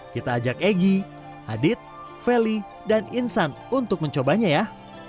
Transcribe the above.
kita ajak egy adit feli dan insan untuk mencobanya ya